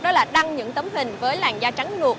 đó là đăng những tấm hình với làn da trắng luộc